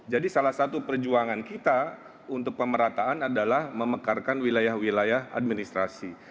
jadi salah satu perjuangan kita untuk pemerataan adalah memekarkan wilayah wilayah administrasi